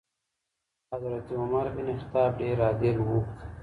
حضرت عمر بن خطاب ډېر عادل و.